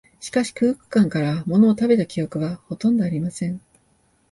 しかし、空腹感から、ものを食べた記憶は、ほとんどありません